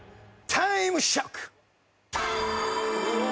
タイムショック！